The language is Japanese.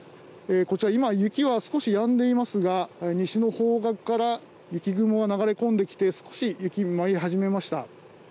こちら今、雪は少しやんでいますが西の方角から雪雲が流れ込んできて少し雪、舞い始めました。